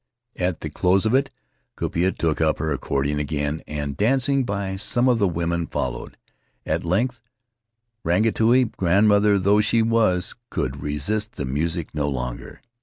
At the close of it Kaupia took up her accordion again, and dancing by some of the women followed. At length, Rangituki, grandmother though she was, could resist the music no longer.